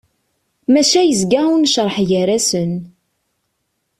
Maca yezga unecreḥ gar-asen.